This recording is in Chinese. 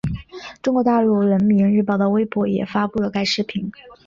中国大陆人民日报的微博也发布了该视频。